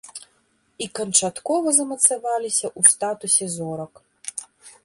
І канчаткова замацаваліся ў статусе зорак.